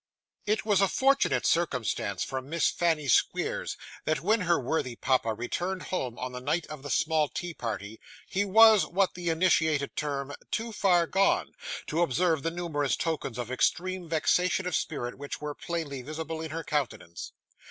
It was a fortunate circumstance for Miss Fanny Squeers, that when her worthy papa returned home on the night of the small tea party, he was what the initiated term 'too far gone' to observe the numerous tokens of extreme vexation of spirit which were plainly visible in her countenance.